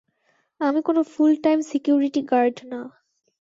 আমি কোনো full time security guard না।